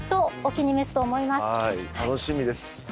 はい楽しみです。